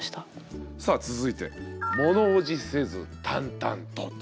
さあ続いて「ものおじせず淡々と」。